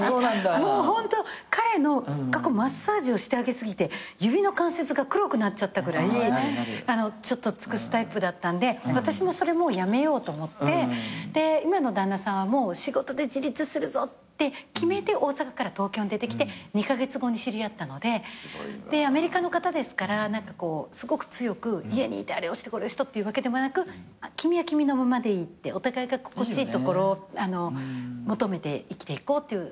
もうホント彼のマッサージをしてあげ過ぎて指の関節が黒くなったぐらい尽くすタイプだったんで私もそれもうやめようと思ってで今の旦那さんは仕事で自立するぞって決めて大阪から東京に出てきて２カ月後に知り合ったのでアメリカの方ですからすごく強く家にいてあれをしてこれをしてっていうわけでもなく君は君のままでいいってお互いが心地いいところを求めて生きていこうっていう。